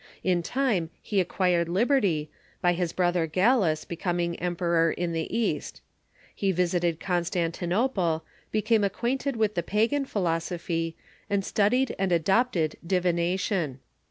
In time he ac quired liberty, by his brother Gallus becoming emperor in the East. He visited Constantinople, became acquainted with the pagan philosophy, and studied and adopted divination.